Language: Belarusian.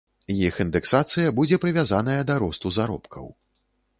Іх індэксацыя будзе прывязаная да росту заробкаў.